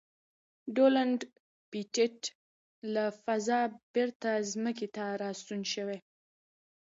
ډونلډ پېټټ له فضا بېرته ځمکې ته راستون شوی.